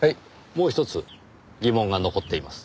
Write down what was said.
もう一つ疑問が残っています。